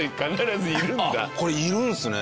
これいるんですね。